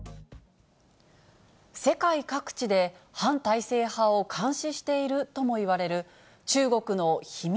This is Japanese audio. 世界各地で反体制派を監視しているともいわれる、中国の秘密